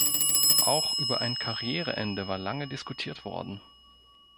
Auch über ein Karriereende war lange diskutiert worden.